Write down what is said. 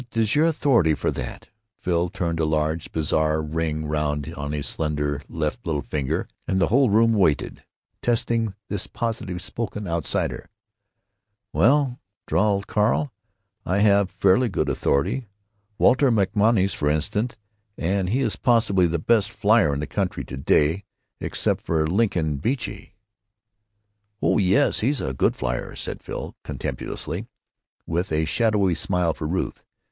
"What is your authority for that?" Phil turned a large, bizarre ring round on his slender left little finger and the whole room waited, testing this positive spoken outsider. "Well," drawled Carl, "I have fairly good authority. Walter MacMonnies, for instance, and he is probably the best flier in the country to day, except for Lincoln Beachey." "Oh yes, he's a good flier," said Phil, contemptuously, with a shadowy smile for Ruth.